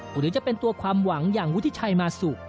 หรือจะเป็นตัวความหวังอย่างวุฒิชัยมาสุ